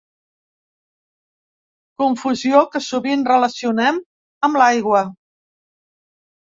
Confusió que sovint relacionem amb l'aigua.